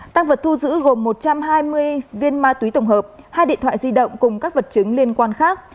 tăng vật thu giữ gồm một trăm hai mươi viên ma túy tổng hợp hai điện thoại di động cùng các vật chứng liên quan khác